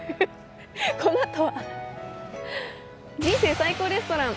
このあとは「人生最高レストラン」。